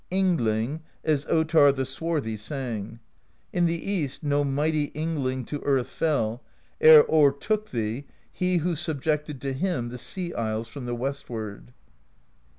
Yngling, as Ottarr the Swarthy sang: In the East no mighty Yngling To earth fell, ere o'ertook thee He who subjected to him The Sea isles from the w^estward.